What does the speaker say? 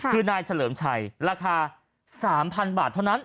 คือนายเฉลิมชัยราคา๓๐๐บาทเท่านั้น